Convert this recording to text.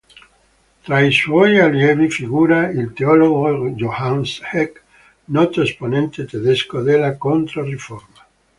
Tra i suoi allievi figura il teologo Johannes Eck, noto esponente tedesco della Controriforma.